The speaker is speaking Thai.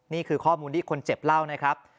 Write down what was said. นี่คือข้อมูลที่คนเจ็บเล่านะครับ